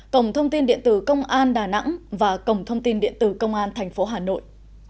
cổng thông tin điện tử công an đà nẵng và cổng thông tin điện tử công an thành phố hà nội